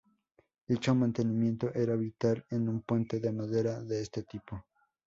Dicho mantenimiento era vital en un puente de madera de este tipo.